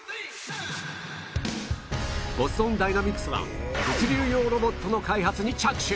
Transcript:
ボストン・ダイナミクスは物流用ロボットの開発に着手